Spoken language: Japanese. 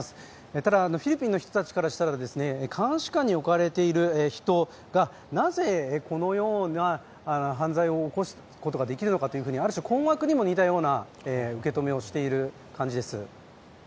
ただ、フィリピンの人たちからしたら監視下に置かれている人がなぜこのような犯罪を起こすことができるのかというある種、困惑にも似たような受け止めをしている感じです。